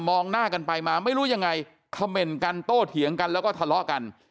หน้ากันไปมาไม่รู้ยังไงเขม่นกันโต้เถียงกันแล้วก็ทะเลาะกัน